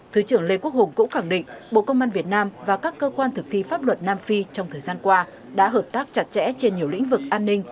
thứ trưởng lê quốc hùng cũng khẳng định bộ công an việt nam và các cơ quan thực thi pháp luật nam phi trong thời gian qua đã hợp tác chặt chẽ trên nhiều lĩnh vực an ninh